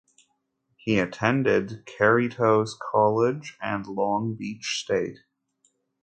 He attended Cerritos College and Long Beach State.